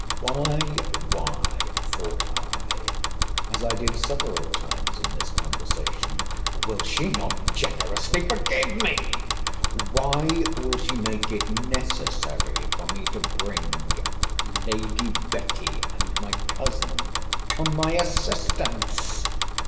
Why, why, thought I, as I did several times in this conversation, will she not generously forgive me? Why will she make it necessary for me to bring Lady Betty and my cousin to my assistance?